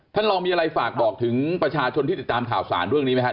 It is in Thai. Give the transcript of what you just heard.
ท่านเรามีอะไรฝากบอกถึงประชาชนที่จะตามข่าวศาลในเรื่องนี้ไหมครับ